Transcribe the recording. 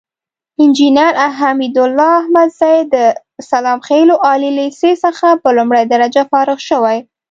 انجينر حميدالله احمدزى د سلام خيلو عالي ليسې څخه په لومړۍ درجه فارغ شوى.